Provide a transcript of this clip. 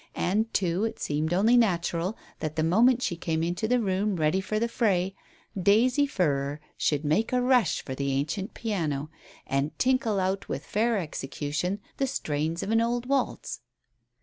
And, too, it seemed only natural that the moment she came into the room ready for the fray, Daisy Furrer should make a rush for the ancient piano, and tinkle out with fair execution the strains of an old waltz.